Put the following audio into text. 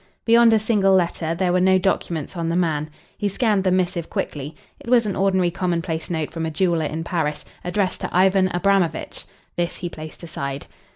Beyond a single letter there were no documents on the man. He scanned the missive quickly. It was an ordinary commonplace note from a jeweller in Paris, addressed to Ivan Abramovitch. This he placed aside.